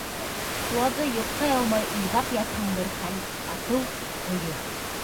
Шуларҙы йоҡтай алмай уйҙап ятһаң бер хәл, атыу... һыйыр!